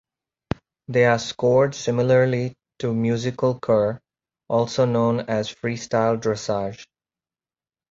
They are scored similarly to musical kur, also known as freestyle dressage.